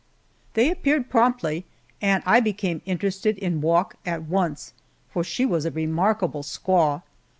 They appeared promptly, and I became interested in Wauk at once, for she was a remarkable squaw.